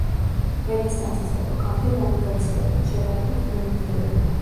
რენესანსის ეპოქამდე ნავიგაცია იყო შედარებით პრიმიტიული.